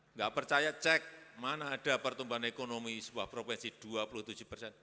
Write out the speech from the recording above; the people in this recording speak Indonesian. nggak percaya cek mana ada pertumbuhan ekonomi sebuah provinsi dua puluh tujuh persen